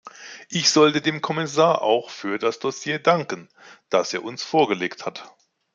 Ich sollte dem Kommissar auch für das Dossier danken, das er uns vorgelegt hat.